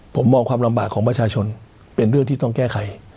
ผมมองความลำบากของประชาชนเป็นเรื่องที่ต้องแก้ไข